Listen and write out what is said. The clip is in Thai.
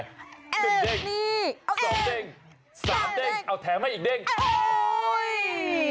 นี่เอาสองเด้งสามเด้งเอาแถมให้อีกเด้งโอ้ย